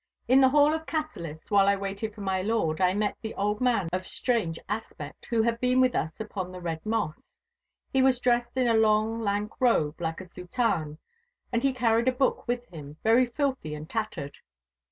In the hall of Cassillis, while I waited for my lord, I met the old man of strange aspect, who had been with us upon the Red Moss. He was dressed in a long, lank robe like a soutane, and he carried a book with him, very filthy and tattered.